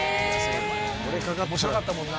面白かったもんな。